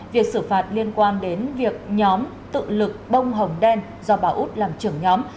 việc xử phạt liên quan đến việc nhóm tự lực bông hồng đen do bà út làm trưởng nhóm